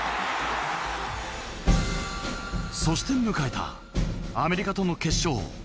そして迎えたアメリカとの決勝。